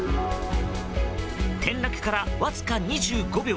転落から、わずか２５秒。